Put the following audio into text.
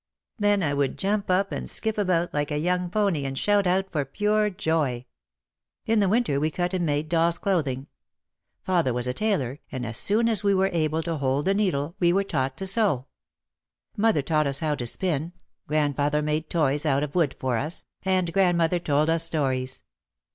Then I would jump up and skip about like a young pony and shout out of pure joy. In the winter we cut and made doll's clothing. Father was a tailor, and as soon as we were able to hold a needle we were taught to sew. Mother taught us how to spin, grandfather made toys out of wood for us, and grand mother told us stories.